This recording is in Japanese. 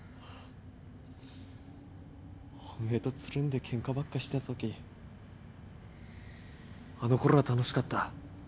おめえとつるんでケンカばっかしてたときあのころは楽しかった。